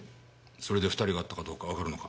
それで２人が会ったかどうかわかるのか？